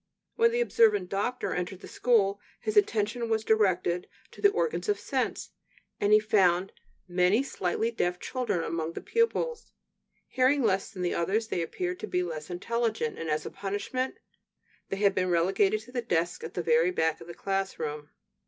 When the observant doctor entered the school, his attention was directed to the organs of sense, and he found many slightly deaf children among the pupils. Hearing less than the others, they appeared less intelligent, and as a "punishment" they had been relegated to the desks at the very back of the schoolroom.